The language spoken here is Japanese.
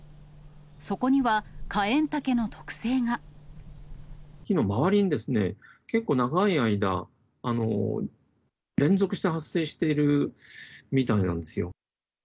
そこには、木の周りに結構長い間、連続して発生しているみたいなんですよ。